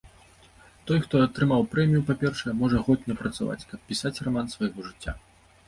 Той, хто атрымаў прэмію, па-першае, можа год не працаваць, каб пісаць раман свайго жыцця.